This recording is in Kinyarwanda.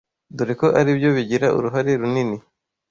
dore ko ari byo bigira uruhare runini